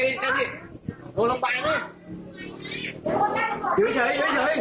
เมื่อไหร่ลงจิ้ง